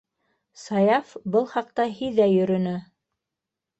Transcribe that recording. Саяф был хаҡта һиҙә йөрөнө.